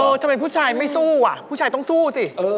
ทำไมผู้ชายไม่สู้อ่ะผู้ชายต้องสู้สิ